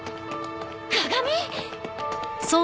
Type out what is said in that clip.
鏡？